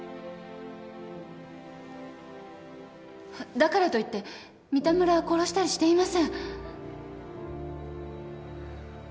だからといって三田村は殺したりしていません。